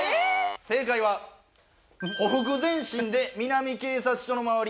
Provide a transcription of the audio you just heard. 正解は「ほふく前進で南警察署の周り